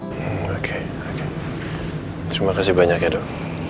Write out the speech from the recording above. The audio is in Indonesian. hmm oke oke terimakasih banyak ya dok